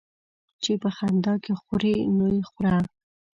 چي په خندا کې خورې ، نو يې خوره.